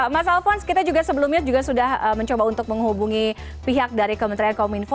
mas alphonse kita juga sebelumnya juga sudah mencoba untuk menghubungi pihak dari kementerian kominfo